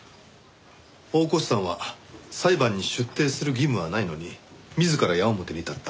大河内さんは裁判に出廷する義務はないのに自ら矢面に立った。